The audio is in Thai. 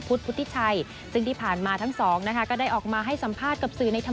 พุทธพุทธิชัยซึ่งที่ผ่านมาทั้งสองนะคะก็ได้ออกมาให้สัมภาษณ์กับสื่อในธรรม